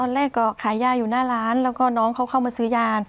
แรกก็ขายยาอยู่หน้าร้านแล้วก็น้องเขาเข้ามาซื้อยา